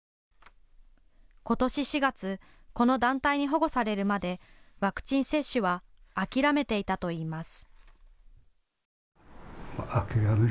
ことし４月、この団体に保護されるまで、ワクチン接種は諦めていたといいます。